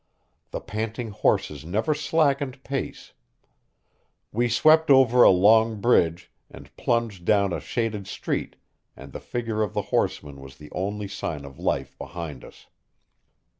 The panting horses never slackened pace. We swept over a long bridge, and plunged down a shaded street, and the figure of the horseman was the only sign of life behind us.